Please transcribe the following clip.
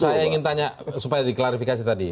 saya ingin tanya supaya diklarifikasi tadi